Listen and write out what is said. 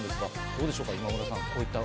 どうでしょうか、今村さん。